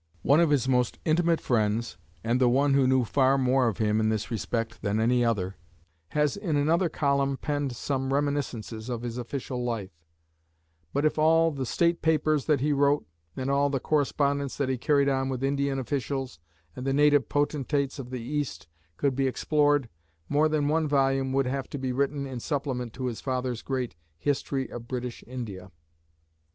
One of his most intimate friends, and the one who knew far more of him in this respect than any other, has in another column penned some reminiscences of his official life; but if all the state papers that he wrote, and all the correspondence that he carried on with Indian officials and the native potentates of the East, could be explored, more than one volume would have to be written in supplement to his father's great "History of British India."